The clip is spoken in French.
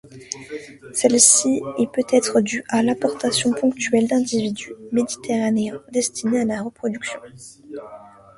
Celle-ci est peut-être due à l'importation ponctuelle d'individus méditerranéens, destinés à la reproduction.